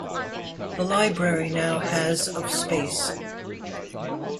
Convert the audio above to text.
The library now has of space.